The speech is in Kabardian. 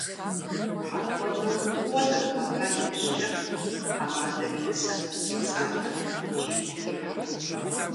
Апхуэдэу фӏыуэ зэрыӏуэта иужькӀэ, тхьэмадэр и нысэм епсалъэрт икӀи техьэрт.